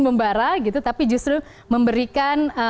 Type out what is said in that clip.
membara gitu tapi justru memberikan